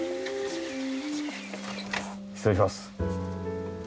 失礼します。